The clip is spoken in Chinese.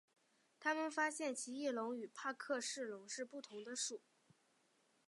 他们发现奇异龙与帕克氏龙是不同的属。